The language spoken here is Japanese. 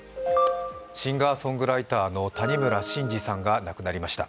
シンガーソングライターの谷村新司さんが亡くなりました。